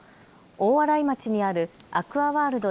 大洗町にあるアクアワールド